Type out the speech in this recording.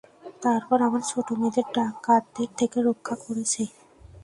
তারপর আমার ছোট মেয়েদের ডাকাতদের থেকে রক্ষা করেছ।